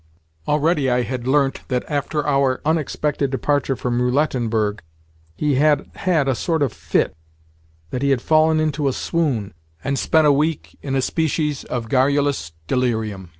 Already I had learnt that, after our unexpected departure from Roulettenberg, he had had a sort of a fit—that he had fallen into a swoon, and spent a week in a species of garrulous delirium.